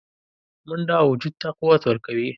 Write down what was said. منډه وجود ته قوت ورکوي